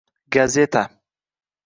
Gazeta